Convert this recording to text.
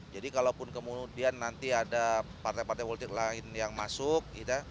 jadi kalau kemudian nanti ada partai partai politik lain yang masuk